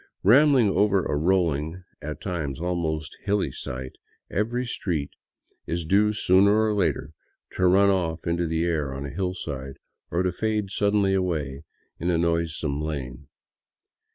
Rambling over a rolling, at times almost hilly site, every street is due sooner or later to run off into the air on a hillside, or to fade suddenly away into a noisome lane.